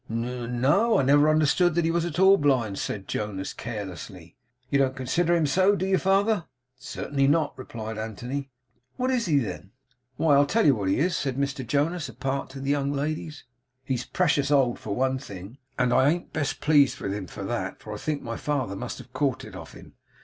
'N no. I never understood that he was at all blind,' said Jonas, carelessly. 'You don't consider him so, do you, father?' 'Certainly not,' replied Anthony. 'What is he, then?' 'Why, I'll tell you what he is,' said Mr Jonas, apart to the young ladies, 'he's precious old, for one thing; and I an't best pleased with him for that, for I think my father must have caught it of him.